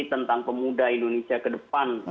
tentang pemuda indonesia ke depan